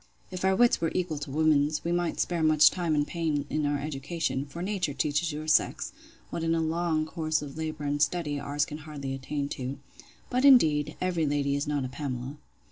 If our wits were equal to women's, we might spare much time and pains in our education: for nature teaches your sex, what, in a long course of labour and study, ours can hardly attain to.—But, indeed, every lady is not a Pamela.